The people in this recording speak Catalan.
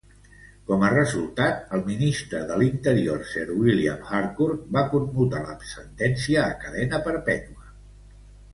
Com a resultat, el Ministre de l'Interior Sir William Harcourt, va commutar la sentència a cadena perpètua.